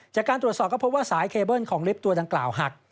จากการตรวจสอบก็พบว่าสายเคเบิ้ลของลิฟต์ตัวดังกล่าวหัก